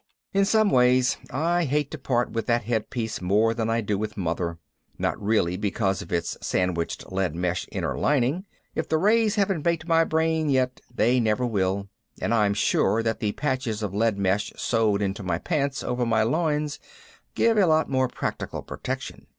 In some ways I hate to part with that headpiece more than I do with Mother. Not really because of its sandwiched lead mesh inner lining if the rays haven't baked my brain yet they never will and I'm sure that the patches of lead mesh sewed into my pants over my loins give a lot more practical protection.